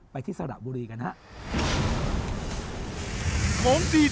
ที่สระบุรีกันครับ